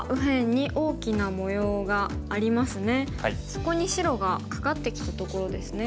そこに白がカカってきたところですね。